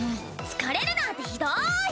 疲れるなんてひどい！